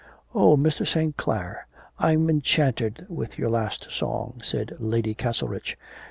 'Oh, Mr. St. Clare, I'm enchanted with your last song,' said Lady Castlerich.